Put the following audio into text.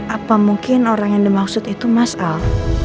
apa mungkin orang yang dimaksud itu mas al